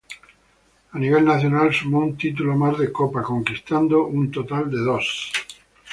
A nivel nacional sumó un título más de Copa, conquistando un total de dos.